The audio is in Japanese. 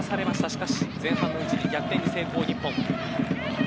しかし、前半のうちに逆転に成功、日本。